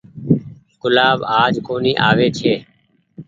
گلآب آج ڪونيٚ آوي ڇي۔